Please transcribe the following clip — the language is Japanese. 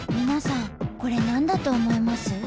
皆さんこれ何だと思います？